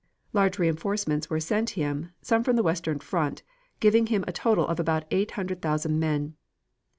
Large reinforcements were sent him, some from the western front, giving him a total of about eight hundred thousand men.